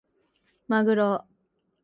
まぐろ